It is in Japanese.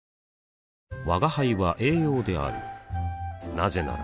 なぜなら